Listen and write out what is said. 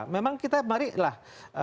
memang kita mari lah